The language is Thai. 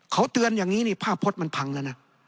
เขาเตือนอย่างนี้ผ้าพลตมันพังแล้วนะ